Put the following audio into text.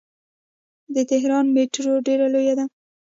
د تهران میټرو ډیره لویه ده.